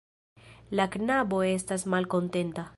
La knabo estas malkontenta.